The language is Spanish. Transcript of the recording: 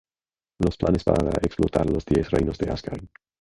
Los planes para explotar los Diez Reinos de Asgard.